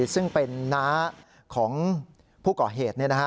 ซึ่งเป็นน้าของผู้ก่อเหตุ